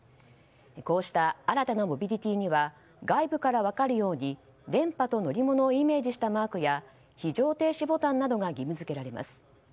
こうした新たなモビリティーには外部から分かるように電波と乗り物をイメージしたマークや非常停止ボタンなどが義務付けられています。